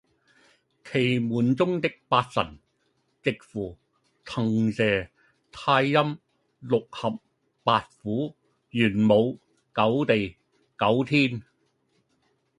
奇门中的八神，值符，腾蛇、太阴、六合、白虎、玄武、九地、九天